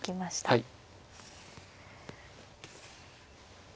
はい。